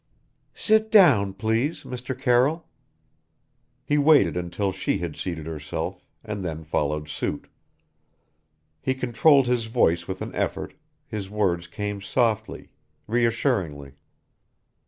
"Sit down, please, Mr. Carroll." He waited until she had seated herself and then followed suit. He controlled his voice with an effort his words came softly, reassuringly.